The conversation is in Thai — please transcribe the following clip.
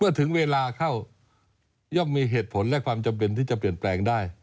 ถึงเวลาเข้าย่อมมีเหตุผลและความจำเป็นที่จะเปลี่ยนแปลงได้